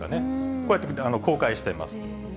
こうやって公開しています。